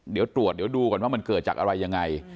เดี๋ยวตรวจเดี๋ยวดูก่อนว่ามันเกิดจากอะไรยังไง